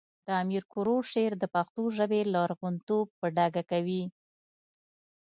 د امیر کروړ شعر د پښتو ژبې لرغونتوب په ډاګه کوي